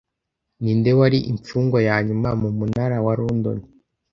Ninde wari imfungwa ya nyuma mu Munara wa London